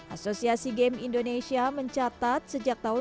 asosiasi game indonesia mencatat sejak tahun dua ribu